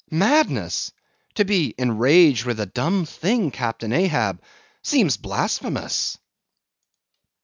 Madness! To be enraged with a dumb thing, Captain Ahab, seems blasphemous."